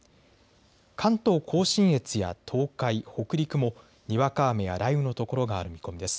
関東甲信越や東海、北陸もにわか雨や雷雨の所がある見込みです。